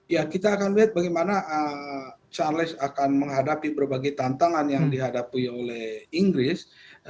ya kita akan melihat bagaimana charles akan menghadapi berbagai tantangan yang dihadapi oleh inggris